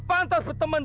kontrol tinggi memfahrkas